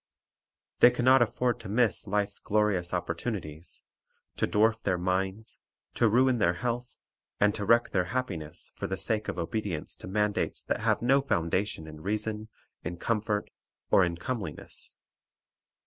They can not afford to miss life's glorious oppor tunities, to dwarf their minds, to ruin their health, and to wreck their happiness, for the sake of obedience to mandates that have no foundation in reason, in comfort, or in comeliness.